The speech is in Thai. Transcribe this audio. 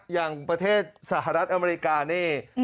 อย่างประเทศสหรัฐอเมริกานี่